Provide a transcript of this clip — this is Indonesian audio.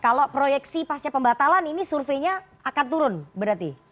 kalau proyeksi pasca pembatalan ini surveinya akan turun berarti